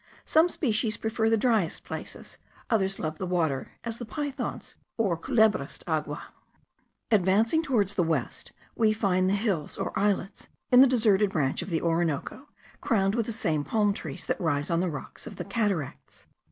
Some species prefer the driest places; others love the water, as the pythons, or culebras de agua. Advancing towards the west, we find the hills or islets in the deserted branch of the Orinoco crowned with the same palm trees that rise on the rocks of the cataracts.